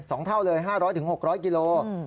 สองเท่าเลย๕๐๐๖๐๐กิโลกรัม